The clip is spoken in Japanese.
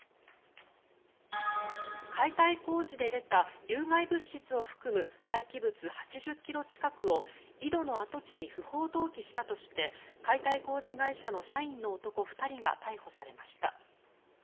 解体工事で出た有害物質を含む廃棄物８０ｋｇ近くを井戸の跡地に不法投棄したとして解体工事会社の社員の男２人が逮捕されました。